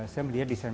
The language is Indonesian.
saya melihat disen